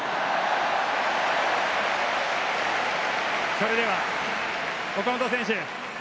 それでは岡本選手